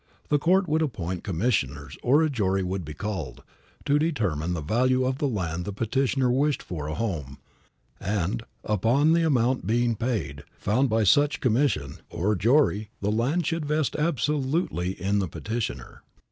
The court would appoint commissioners, or a jury would be called, to determine the value of the land the petitioner wished for a home, and, upon the amount being paid, found by such commission, or jury, the land should vest absolutely in the petitioner.